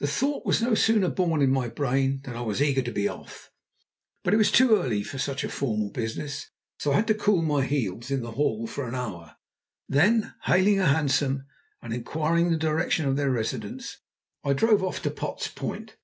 The thought was no sooner born in my brain than I was eager to be off. But it was too early for such a formal business, so I had to cool my heels in the hall for an hour. Then, hailing a hansom and inquiring the direction of their residence, I drove off to Potts Point.